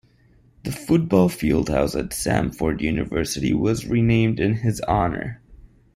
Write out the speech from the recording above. The football field house at Samford University was renamed in his honor.